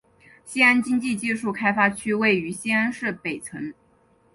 西安经济技术开发区位于西安市北城。